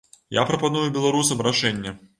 Я прапаную беларусам рашэнне.